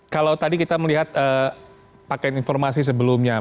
kalau tadi kita melihat pakaian informasi sebelumnya